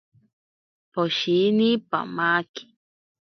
Poshini pamaki.